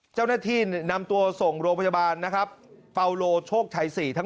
เจ้าหน้าที่นำตัวส่งโรงพยาบาลนะครับเปาโลโชคชัย๔ทั้ง